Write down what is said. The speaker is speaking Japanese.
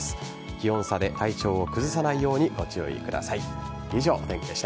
気温差で体調を崩さないようにご注意ください。